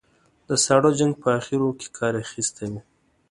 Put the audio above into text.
د ساړه جنګ په اخرو کې کار اخیستی و.